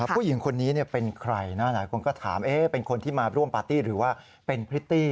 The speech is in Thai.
ผู้หญิงคนนี้เป็นใครนะหลายคนก็ถามเป็นคนที่มาร่วมปาร์ตี้หรือว่าเป็นพริตตี้